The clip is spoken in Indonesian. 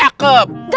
aku nunggu dulu